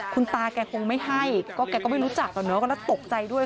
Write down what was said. คุณตาแกคงไม่ให้ก็แกก็ไม่รู้จักหรอกเนอะก็แล้วตกใจด้วย